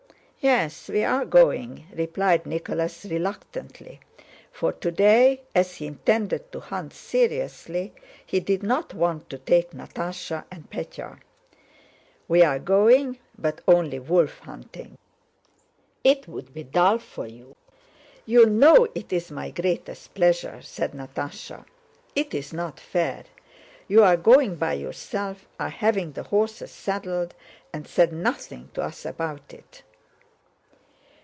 "Yes, we are going," replied Nicholas reluctantly, for today, as he intended to hunt seriously, he did not want to take Natásha and Pétya. "We are going, but only wolf hunting: it would be dull for you." "You know it is my greatest pleasure," said Natásha. "It's not fair; you are going by yourself, are having the horses saddled and said nothing to us about it."